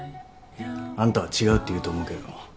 あんたは違うって言うと思うけど。